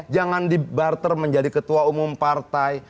jangan dibarter menjadi ketua umum partai